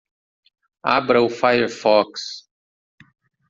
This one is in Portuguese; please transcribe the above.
Abra o firefox.